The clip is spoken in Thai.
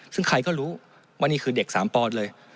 ซึ่งใครก็รู้ว่านี่คือเด็กสามปอนดเลย